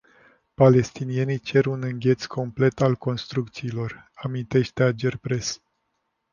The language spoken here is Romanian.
Palestinienii cer un îngheț complet al construcțiilor, amintește Agerpres.